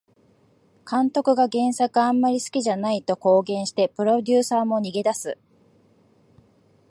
監督が原作あんまり好きじゃないと公言してプロデューサーも逃げ出す